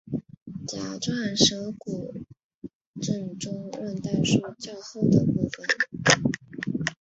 甲状舌骨正中韧带是较厚的部分。